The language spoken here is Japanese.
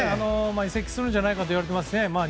移籍するんじゃないかと言われていますね。